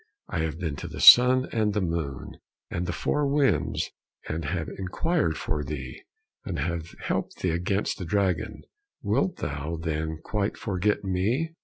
I have been to the sun and the moon, and the four winds, and have enquired for thee, and have helped thee against the dragon; wilt thou, then quite forget me?"